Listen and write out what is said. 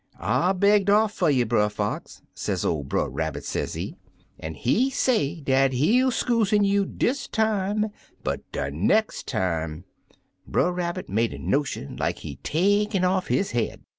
'I begged off fer you, Brer Fox,* scz ol* Brer Rabbit, sezee, *an* he say dat he'll skuzen you dis time, but de nex* time —* Brer Rabbit make a motion like he takin* off his head.